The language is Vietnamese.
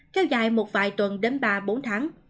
kéo dài một vài tuần đến ba bốn tháng